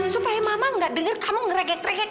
supaya mama gak denger kamu ngeregek kamu